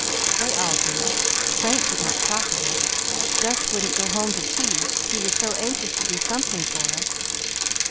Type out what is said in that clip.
"They all do. Frank could not talk of it. Gus wouldn't go home to tea, he was so anxious to do something for us.